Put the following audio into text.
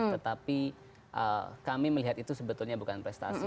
tetapi kami melihat itu sebetulnya bukan prestasi